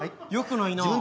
よくないな。